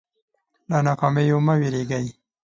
له ناکامیو مه وېرېږئ.